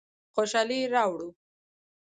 خوشحالي راوړو.